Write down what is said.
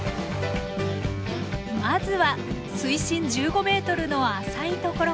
まずは水深１５ｍの浅い所から。